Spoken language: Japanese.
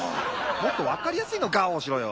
もっとわかりやすいのガオしろよ！